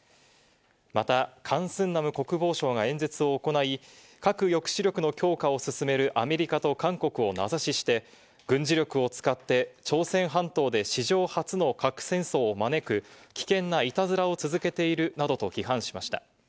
また、カン・スンナム国防相が演説を行い、核抑止力の強化を進めるアメリカと韓国を名指しして軍事力を使って、朝鮮半島で史上初の核戦争を招く危険ないたずらを続けているなどと批判しました。